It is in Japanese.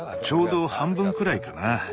ちょうど半分くらいかな。